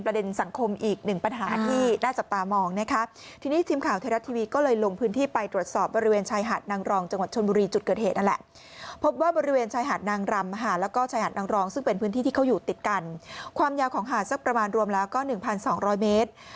พื้นที่ที่เขาอยู่ติดกันความยาวของหาดสักประมาณรวมแล้วก็๑๒๐๐เมตร